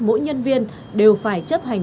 mỗi nhân viên đều phải chấp hành